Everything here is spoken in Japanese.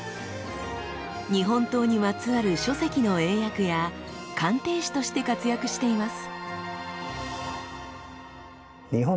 日本刀にまつわる書籍の英訳や鑑定士として活躍しています。